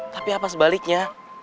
tapi apa sebaliknya